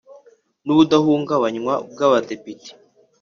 n ubudahungabanywa bw Abadepite